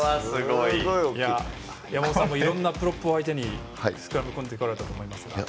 山本さんもいろんなプロップを相手にスクラム組んでこられたと思いますが。